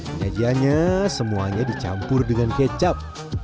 penyajiannya semuanya dicampur dengan kecap